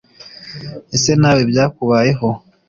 Ese nawe byakubayeho?